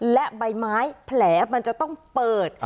และใบไม้แผลมันจะต้องเปิด